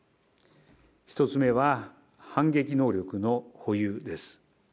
１つ目は、反撃能力の保有です。